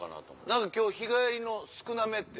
何か今日日帰りの少なめって。